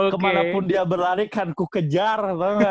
kemanapun dia berlari kan ku kejar